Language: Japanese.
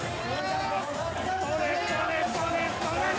◆それそれそれそれっ！